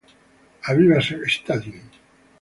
Aviva Stadium